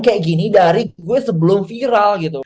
kayak gini dari gue sebelum viral gitu